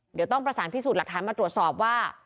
เดี๋ยวต้องประสานพิสูจน์หลักฐานมาตรวจสอบว่า